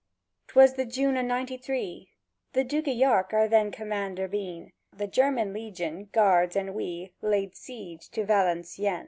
'Twas in the June o' Ninety dree (The Duke o' Yark our then Commander been) The German Legion, Guards, and we Laid siege to Valencieën.